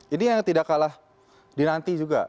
ini yang tidak kalah dinanti juga